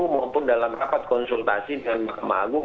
maupun dalam kapas konsultasi dengan makam agung